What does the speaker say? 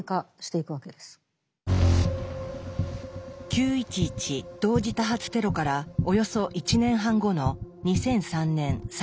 ９．１１同時多発テロからおよそ１年半後の２００３年３月。